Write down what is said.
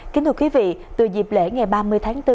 kính thưa quý vị từ dịp lễ ngày ba mươi tháng bốn